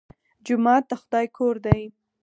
جومات د خدای کور دی